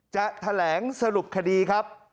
จะแถลงสรุปคดีครับ